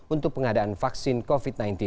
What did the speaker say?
untuk pengadaan vaksin covid sembilan belas